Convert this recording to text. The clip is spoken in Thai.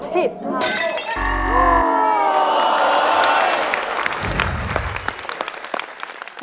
ผิดค่ะ